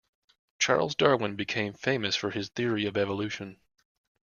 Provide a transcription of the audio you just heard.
Charles Darwin became famous for his theory of evolution.